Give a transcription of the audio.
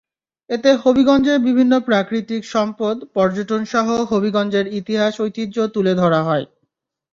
এতে হবিগঞ্জের বিভিন্ন প্রাকৃতিক সম্পদ, পর্যটনসহ হবিগঞ্জের ইতিহাস ঐতিহ্য তুলে ধরা হয়।